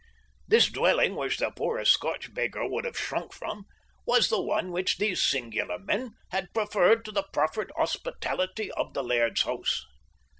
This dwelling, which the poorest Scotch beggar would have shrunk from, was the one which these singular men had preferred to the proffered hospitality of the laird's house.